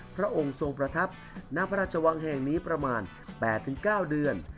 พระองค์ทรงประทับณพระราชวังแห่งนี้ประมาณ๘๙เดือน